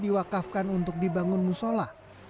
diwakafkan untuk dibangun musola